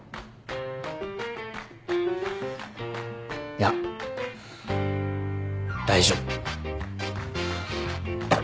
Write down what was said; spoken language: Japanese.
いや大丈夫。